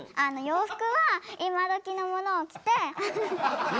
洋服は今どきのものを着て？